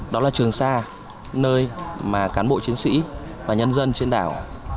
đó là trường sa nơi mà cán bộ chiến sĩ và nhân dân trên đảo